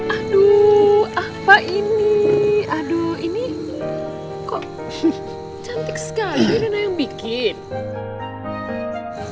aduh apa ini aduh ini kok cantik sekali yang bikin